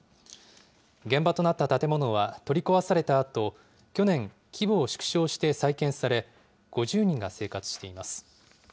現場となった建物は取り壊されたあと、去年、規模を縮小して再建され、５０人が生活しています。